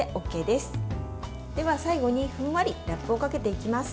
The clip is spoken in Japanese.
では最後にふんわりラップをかけていきます。